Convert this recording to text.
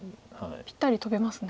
ぴったりトベますね。